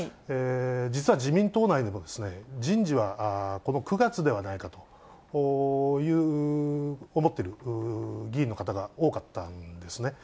実は自民党内でも、人事はこの９月ではないかと思っている議員の方が多かったんですね。